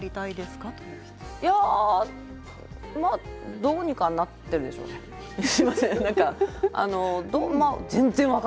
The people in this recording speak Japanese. どうにかなっているでしょうねすみません